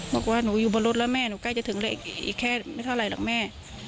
บอกว่าหนูอยู่บนรถแล้วแม่หนูใกล้จะถึงอีกแค่ไม่เท่าไหร่หรอกแม่